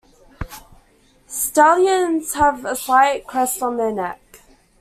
Stallions have a slight crest on their neck.